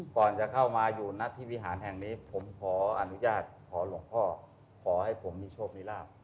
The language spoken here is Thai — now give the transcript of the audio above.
ก่อนจะเข้ามาอยู่นัดที่วิหารแห่งนี้ผมขออนุญาตขอหลวงพ่อขอให้ผมมีโชคมีลาบ